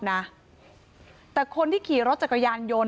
นะแต่คนที่ขี่รถจักรยานยนต์